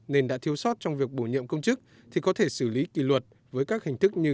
nên đã thiếu sót trong việc bổ nhiệm công chức thì có thể xử lý kỷ luật với các hình thức như